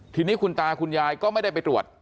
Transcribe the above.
ทีนี้คุณตาคุณยายก็ไม่ได้ไปตรวจ